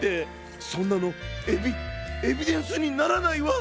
そんなのエビエビデンスにならないわ！